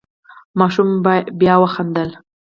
ماشوم بیا وخندل.